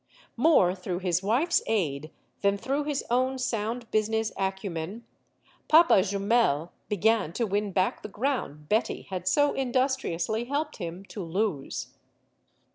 More through his wife's aid than through his own sound business acumen, Papa Jumel began to win back the ground Betty had so industriously helped him to lose.